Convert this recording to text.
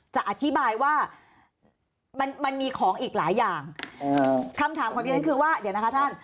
จะอธิบายว่ามันมันมีของอีกหลายอย่างคำถามของดิฉันคือว่าเดี๋ยวนะคะท่าน